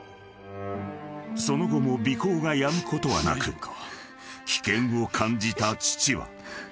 ［その後も尾行がやむことはなく危険を感じた父は］